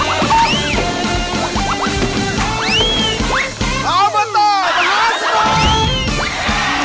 เรามาต่อมารับสมอง